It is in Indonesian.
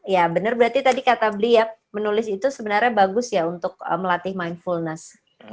ya benar berarti tadi kata beli ya menulis itu sebenarnya bagus ya untuk melatih mindfulness